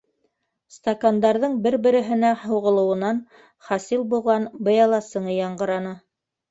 Стакандарҙың бер-береһенә һуғылыуынан хасил булған быяла сыңы яңғыраны.